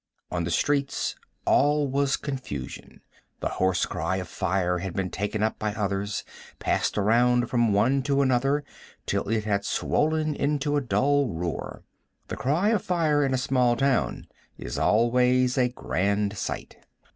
On the streets all was confusion. The hoarse cry of fire had been taken up by others, passed around from one to another, till it had swollen into a dull roar. The cry of fire in a small town is always a grand sight.